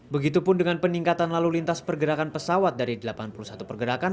begitupun dengan peningkatan lalu lintas pergerakan pesawat dari delapan puluh satu pergerakan